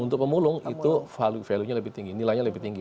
untuk pemulung itu value nya lebih tinggi nilainya lebih tinggi